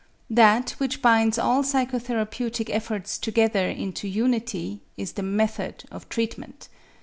That which binds all psychotherapeutic efforts together into unity is the method of treatment.